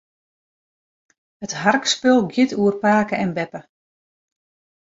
It harkspul giet oer pake en beppe.